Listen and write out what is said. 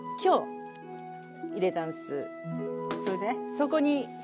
そこに。